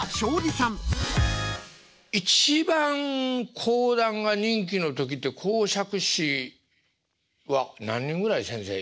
一番講談が人気の時って講釈師は何人ぐらい先生いたんですか？